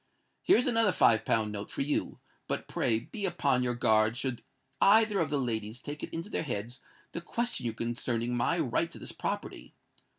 Here is another five pound note for you; but pray be upon your guard should either of the ladies take it into their heads to question you concerning my right to this property.